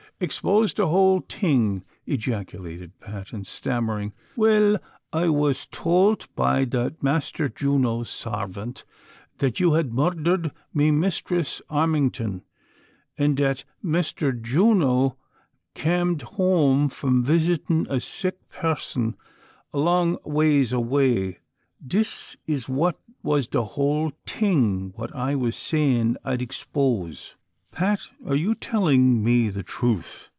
"Expose tiie whole ting," ejaculated Pat, and stammer^ ing, ••we 11 I was tould by tiiat Misliter Juno's sarvant that ye had murhdered me Mistress Armington, an' that Mishter Juno earned home from visitin' a sick person along ways away ; this is what was the hole ting what I was sayiu' I'd expose." " Pat, are you telling the truth